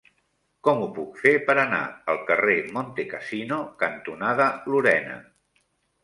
Com ho puc fer per anar al carrer Montecassino cantonada Lorena?